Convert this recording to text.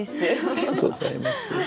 ありがとうございます。